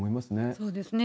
そうですね。